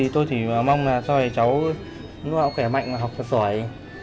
tôi thì mong là sau này cháu nấu ảo kẻ mạnh và học thật sẵn